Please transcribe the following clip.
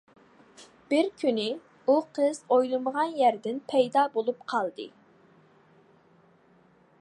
بىر كۈنى ئۇ قىز ئويلىمىغان يەردىن پەيدا بولۇپ قالدى.